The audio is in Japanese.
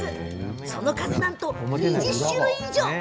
その数なんと２０種類以上。